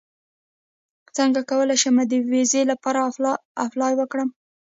څنګه کولی شم د ویزې لپاره اپلای وکړم